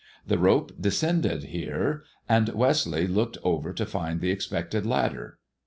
The rope descended here, and Westleigh looked over to find the expected ladder.